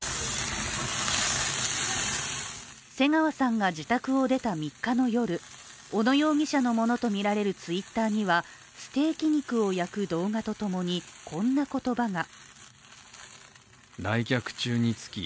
瀬川さんが自宅を出た３日の夜小野容疑者のものと見られるＴｗｉｔｔｅｒにはステーキ肉を焼く動画と共に、こんな言葉が。